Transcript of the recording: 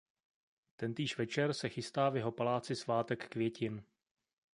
Tentýž večer se chystá v jeho paláci Svátek květin.